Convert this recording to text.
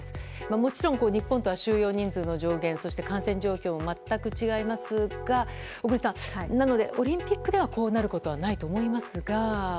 もちろん日本とは収容人数の上限そして感染状況は全く違いますが小栗さん、なのでオリンピックでこうなることはないと思いますが。